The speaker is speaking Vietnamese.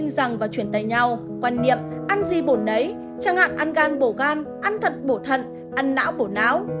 nhưng rằng và chuyển tay nhau quan niệm ăn gì bổ nấy chẳng hạn ăn gan bổ gan ăn thận bổ thận ăn não bổ não